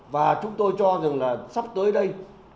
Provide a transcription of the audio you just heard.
và chúng tôi cho rằng là sắp tới đây